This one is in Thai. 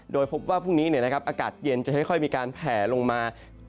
โดยพบว่าพรุ่งนี้อากาศเย็นจะค่อยมีการแผลลงมา